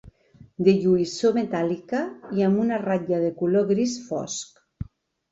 De lluïssor metàl·lica, i amb una ratlla de color gris fosc.